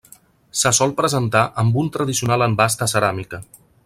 Se sol presentar amb un tradicional envàs de ceràmica.